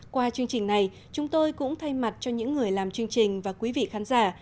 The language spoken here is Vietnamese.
qua chương trình này chúng tôi cũng thay mặt cho những người làm chương trình và quý vị khán giả